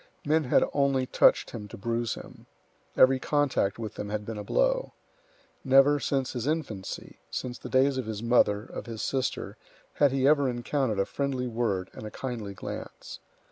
Men had only touched him to bruise him. Every contact with them had been a blow. Never, since his infancy, since the days of his mother, of his sister, had he ever encountered a friendly word and a kindly glance.